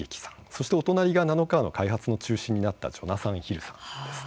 そして、お隣がナノカーの開発の中心になったジョナサン・ヒルさんです。